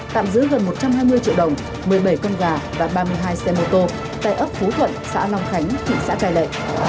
tạm giữ gần một trăm hai mươi triệu đồng một mươi bảy con gà và ba mươi hai xe mô tô tại ấp phú thuận xã long khánh thị xã cai lệ